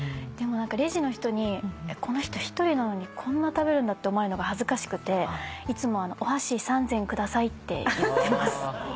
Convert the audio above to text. でもレジの人に「この人一人なのにこんな食べるんだ」って思われるのが恥ずかしくていつもお箸３膳くださいって言ってます。